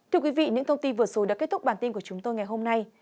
thưa quý vị những thông tin vừa rồi đã kết thúc bản tin của chúng tôi ngày hôm nay